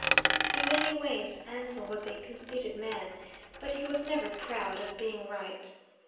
In many ways Ansell was a conceited man; but he was never proud of being right.